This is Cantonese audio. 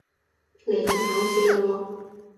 嚟緊考試喇喎